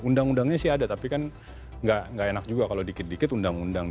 undang undangnya sih ada tapi kan nggak enak juga kalau dikit dikit undang undang